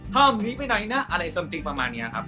ห้ามหนีไปไหนนะอะไรสมจริงประมาณนี้ครับ